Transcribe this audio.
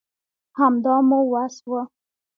همدا مو وس وو